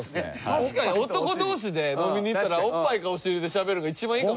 確かに男同士で飲みに行ったらおっぱいかおしりでしゃべるの一番いいかもしれない。